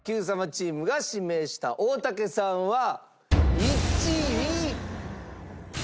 チームが指名した大竹さんは１位。